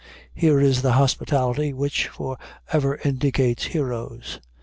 Here is the hospitality which for ever indicates heroes.